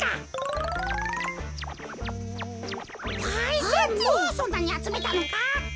パイセンもうそんなにあつめたのか？